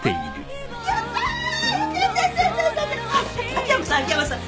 秋山さん秋山さん！